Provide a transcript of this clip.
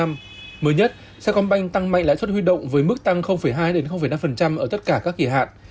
mới nhất sài gòn banh tăng mạnh lãi suất huy động với mức tăng hai năm ở tất cả các kỳ hạn